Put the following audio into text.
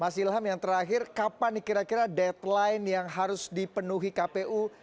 mas ilham yang terakhir kapan kira kira deadline yang harus dipenuhi kpu